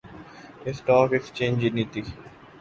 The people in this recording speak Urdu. اسٹاک ایکسچینجتی